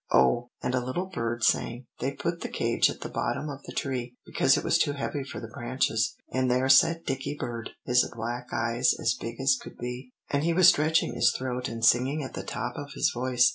Oh! and a little bird sang they'd put the cage at the bottom of the tree, because it was too heavy for the branches; and there sat Dicky bird, his black eyes as big as could be, and he was stretching his throat and singing at the top of his voice.